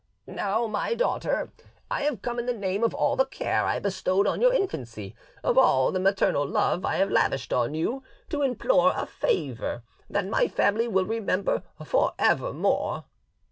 "Now, my daughter, I have come in the name of all the care I bestowed on your infancy, of all the maternal love I have lavished on you, to implore a favour that my family will remember for evermore."